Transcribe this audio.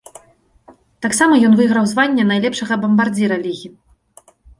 Таксама ён выйграў званне найлепшага бамбардзіра лігі.